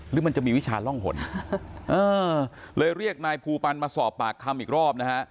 หรือมันจะมีวิชาล่องผลเลยเรียกนายภูปันมาสอบปากคำอีกรอบนะฮะ